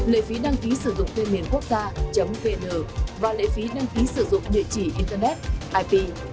lệ phí đăng ký sử dụng tên miền quốc gia vn và lệ phí đăng ký sử dụng địa chỉ internet ip